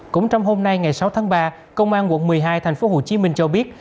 cũng trong hôm nay ngày sáu tháng ba công an quận một mươi hai thành phố hồ chí minh cho biết